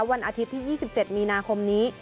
วันอาทิตย์ที่๒๗มีนาคมนี้